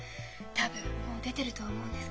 多分もう出てるとは思うんですけど。